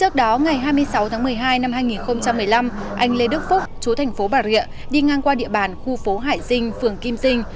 trước đó ngày hai mươi sáu tháng một mươi hai năm hai nghìn một mươi năm anh lê đức phúc chú thành phố bà rịa đi ngang qua địa bàn khu phố hải dương phường kim dinh